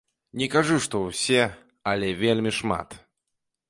Не кажу, што ўсе, але вельмі шмат.